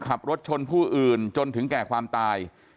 ขับรถชนผู้อื่นจนถึงแก่ความตาย